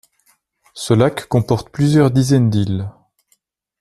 Ce lac comporte plusieurs dizaines d’îles.